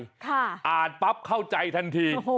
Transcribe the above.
อ่านปั๊บเข้าใจทันที